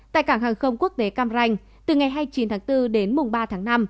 tại cảng hàng không quốc tế cam ranh từ ngày hai mươi chín tháng bốn đến mùng ba tháng năm